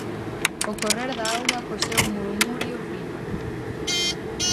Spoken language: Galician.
O correr da auga co seu murmurio fino.